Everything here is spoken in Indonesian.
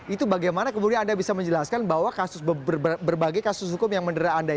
itu bagaimana kemudian anda bisa menjelaskan bahwa berbagai kasus hukum yang mendera anda